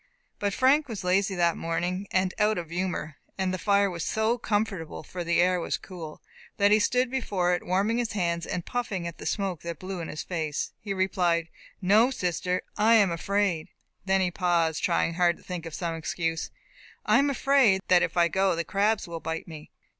But Frank was lazy that morning, and out of humour, and the fire was so comfortable (for the air was cool) that he stood before it, warming his hands, and puffing at the smoke that blew in his face. He replied, "No, sister, I am afraid" then he paused, trying hard to think of some excuse. "I am afraid that if I go the crabs will bite me."